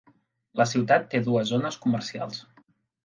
La ciutat té dues zones comercials.